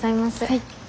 はい。